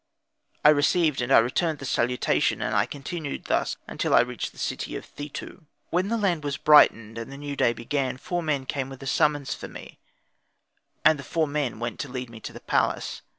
I received and I returned the salutation, and I continued thus until I reached the city of Thetu. When the land was brightened, and the new day began, four men came with a summons for me; and the four men went to lead me to the palace.